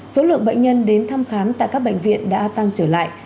số lượng bệnh nhân đến thăm khám tại các bệnh viện đã tăng trở lại